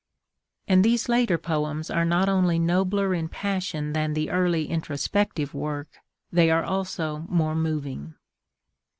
And these later poems are not only nobler in passion than the early introspective work; they are also more moving.